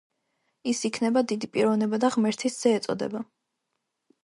ის იქნება დიდი პიროვნება და ღმერთის ძე ეწოდება.